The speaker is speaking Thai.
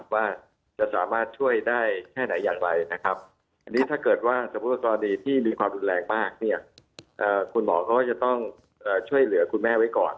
ว่าจะสามารถช่วยได้แค่ไหนอย่างไรนะครับอันนี้ถ้าเกิดว่าสมมุติว่ากรณีที่มีความรุนแรงมากเนี่ยคุณหมอก็จะต้องช่วยเหลือคุณแม่ไว้ก่อน